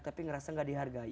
tapi ngerasa gak dihargai